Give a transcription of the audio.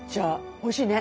おいしいね。